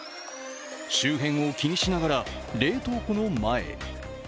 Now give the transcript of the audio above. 周辺を気にしながら冷凍庫の前へ。